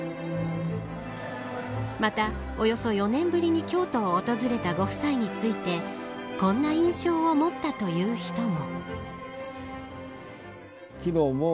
また、およそ４年ぶりに京都を訪れたご夫妻についてこんな印象を持ったという人も。